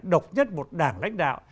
độc nhất một đảng lãnh đạo